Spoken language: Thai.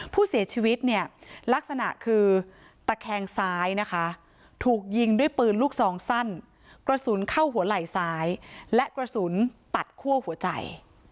ผู้เสียชีวิตเนี่ยลักษณะคือตะแคงซ้ายนะคะถูกยิงด้วยปืนลูกซองสั้นกระสุนเข้าหัวไหล่ซ้ายและกระสุนตัดคั่วหัวใจ